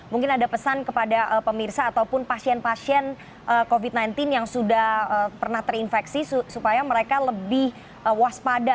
mungkin ada pesan kepada pemirsa ataupun pasien pasien covid sembilan belas yang sudah pernah terinfeksi supaya mereka lebih waspada